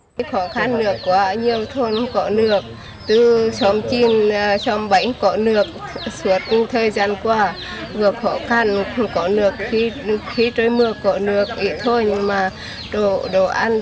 các xã đều có hệ thống nước sạch sau nhiều năm sử dụng đã hư hỏng nên tình hình đã không được cải thiện